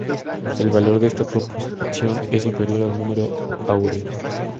El valor de esta proporción es inferior al número áureo.